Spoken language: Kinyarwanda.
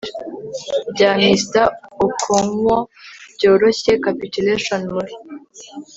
bya. mr okonkwo byoroshye capitulation muri